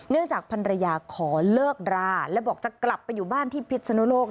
จากพันรยาขอเลิกราและบอกจะกลับไปอยู่บ้านที่พิษนุโลก